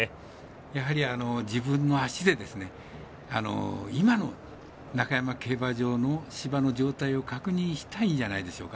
やはり自分の足で今の中山競馬場の芝の状態を確認したいんじゃないでしょうか。